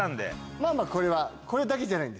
まぁまぁこれは。